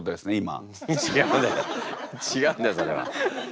ちがうんだよそれは。